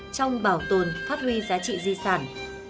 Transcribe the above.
trong bảo tồn phát huy giá trị di sản